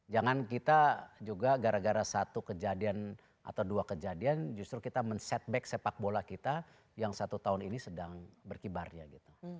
jangan kita juga gara gara satu kejadian atau dua kejadian justru kita men setback sepak bola kita yang satu tahun ini sedang berkibar ya gitu